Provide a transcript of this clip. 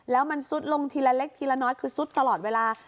แล้วมันซุดลงทีละเล็กทีละน้อยคือซุดตลอดเวลา